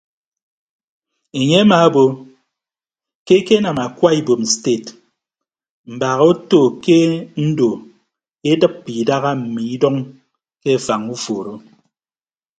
Enye amaabo ke ekenam akwa ibom sted mbaak oto ke ndo edịppe idaha mme idʌñ ke afañ uforo.